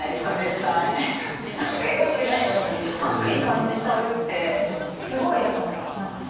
悪意帯びてないないのに悪意感じちゃうってすごいやっぱ何かね